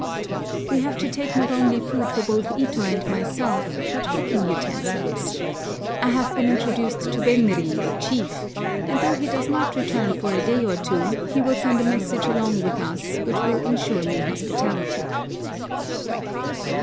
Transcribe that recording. We have to take not only food for both Ito and myself, but cooking utensils. I have been introduced to Benri, the chief; and, though he does not return for a day or two, he will send a message along with us which will ensure me hospitality.